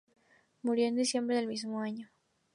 Murió en diciembre del mismo año.